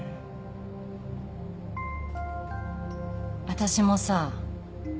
私もさ。